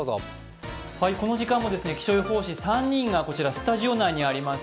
この時間も気象予報士３人がスタジオ内にあります